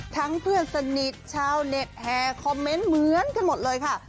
เพื่อนสนิทชาวเน็ตแห่คอมเมนต์เหมือนกันหมดเลยค่ะ